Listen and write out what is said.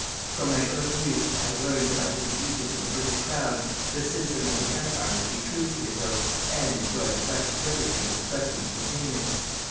From my early youth, I had learned that under the ægis of the British Crown, the citizen of the Empire could be true to his oath, and enjoy the precious liberty of expressing his opinion.